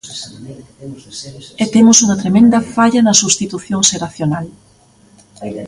E temos unha tremenda falla na substitución xeracional.